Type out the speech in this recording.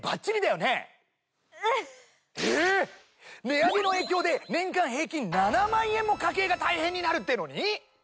値上げの影響で年間平均７万円も家計が大変になるっていうのに？